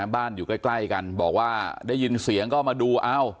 อยู่ใกล้กันบอกว่าได้ยินเสียงก็มาดูเอ้า